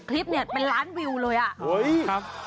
คลิปเนี่ยเป็นล้านวิวเลยอ่ะ